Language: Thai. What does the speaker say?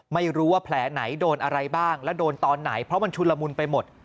ไม่รู้ว่าแผลไหนโดนอะไรบ้างแล้วโดนตอนไหนเพราะมันชุนละมุนไปหมด